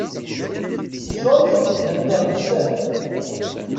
George ihedder bezzaf